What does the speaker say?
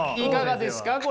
いかがですか？